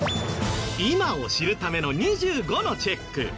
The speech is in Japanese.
今を知るための２５のチェック。